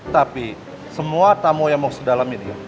tapi semua tamu yang mau ke dalam ini ya